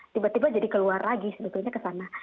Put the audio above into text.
tiba tiba jadi keluar lagi sebetulnya ke sana